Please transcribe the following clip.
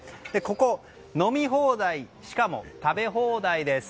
ここ、飲み放題しかも食べ放題です。